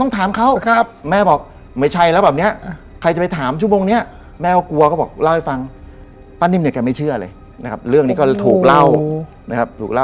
ที่เขาฟังไม่ออกเลย